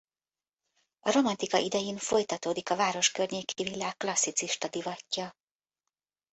A romantika idején folytatódik a város környéki villák klasszicista divatja.